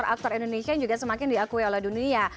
dan juga aktor indonesia juga semakin diakui oleh dunia